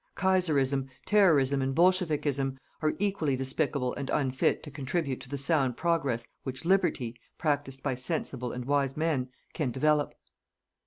Kaiserism, Terrorism and Bolshevikism are equally despicable and unfit to contribute to the sound progress which liberty, practiced by sensible and wise men, can develop.